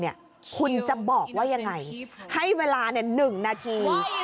เนี่ยคุณจะบอกว่ายังไงให้เวลาเนี่ยหนึ่งนาที